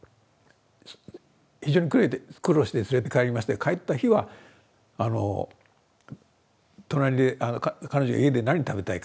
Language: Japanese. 非常に苦労して連れて帰りまして帰った日は隣で彼女は家で何食べたいかって。